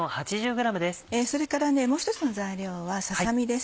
それからもう１つの材料はささ身です。